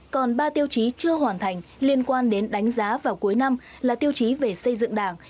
còn ba tiêu chí chưa hoàn thành liên quan đến đánh giá vào cuối năm là tiêu chí về xây dựng đảng